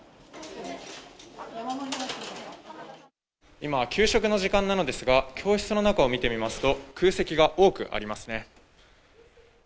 今、給食の時間なのですが、教室の中を見てみますと、空席が多くありますね。